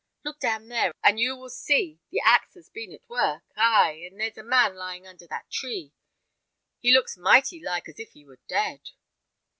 Look down there, and you will see the axe has been at work ay, and there's a man lying under that tree. He looks mighty like as if he were dead."